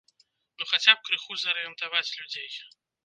Ну хаця б крыху зарыентаваць людзей.